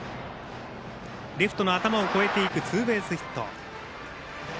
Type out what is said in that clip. レフトの頭を越えていくツーベースヒット。